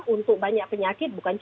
untuk banyak penyakit